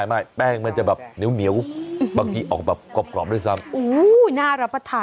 ไม่แป้งมันจะแบบเหนียวบางทีออกแบบกรอบด้วยซ้ำ